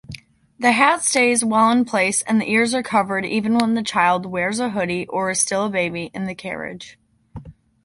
The hat stays well in place, and the ears are covered even when the child wears a hoodie or is still a baby in the carriage.